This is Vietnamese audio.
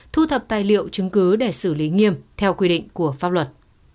thu thập tài liệu chứng cứ để xử lý nghiêm theo quy định của pháp luật